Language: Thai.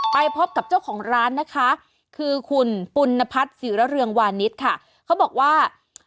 ไปพบกับเจ้าของร้านนะคะคือคุณปุ่นนพัฒน์สิรเรืองวานิสค่ะ